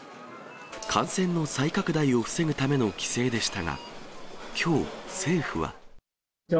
感染の再拡大を防ぐための規制でしたが、きょう、政府は。